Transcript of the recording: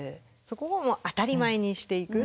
そこを当たり前にしていく。